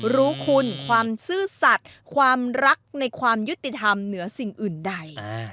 รู้คุณความซื่อสัตว์ความรักในความยุติธรรมเหนือสิ่งอื่นใด